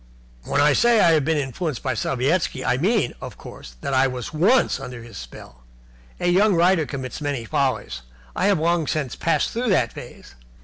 "When I say I have been influenced by Sovietski, I mean, of course, that I was once under his spell. A young writer commits many follies. I have long since passed through that phase.